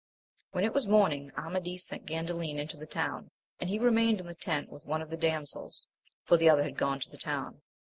When it was morning, Amadis sent Gandalin into the town, and he remained in the tent with one of the damsels, for the other had gone to the town.